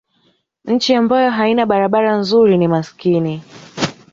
nchi ambayo haina barabara nzuri ni masikini